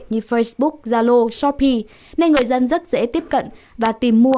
như facebook zalo shopee nên người dân rất dễ tiếp cận và tìm mua